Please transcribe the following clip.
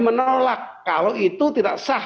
menolak kalau itu tidak sah